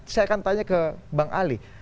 saya akan tanya ke bang ali